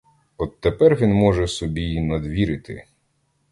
От тепер він може собі й надвір іти!